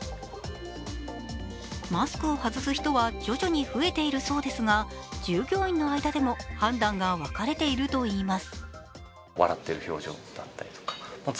マスクを外す人は徐々に増えているそうですが従業員の間でも判断が分かれているといいます。